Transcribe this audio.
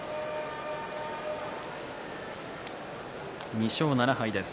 ２勝７敗です。